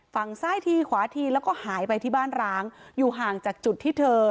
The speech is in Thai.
ฝั่งซ้ายทีขวาทีแล้วก็หายไปที่บ้านร้างอยู่ห่างจากจุดที่เธอ